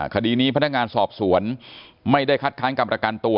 คดีนี้พนักงานสอบสวนไม่ได้คัดค้านการประกันตัว